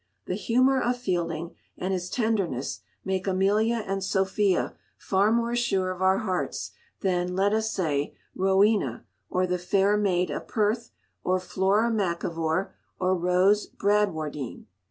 The humour of Fielding and his tenderness make Amelia and Sophia far more sure of our hearts than, let us say, Rowena, or the Fair Maid of Perth, or Flora MacIvor, or Rose Bradwardine.